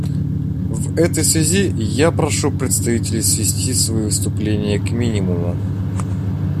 В этой связи я прошу представителей свести свои выступления к минимуму.